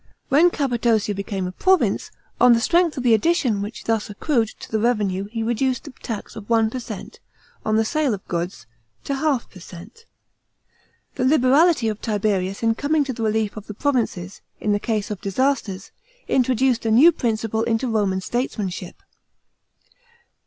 When Cappadocia became a province, on the strength of the addition which thus accrued to the revenue he reduced the tax of 1 per cent, on the sale of goods to £ per cent.* § 6. The liberality of Tiberius in coming to the relief of the provinces, in the case of disasters, introduced a new principle into Ronun statesmanship.